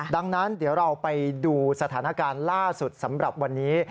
ดังนั้นเดี๋ยวเราไปดูสถานการณ์ล่าสุดสำหรับวันนี้